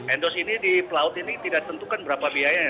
endorse ini di pelaut ini tidak tentukan berapa biayanya